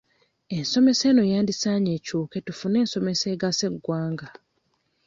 Ensomesa eno yandisaanye ekyuke tufuna ensomesa egasa eggwanga.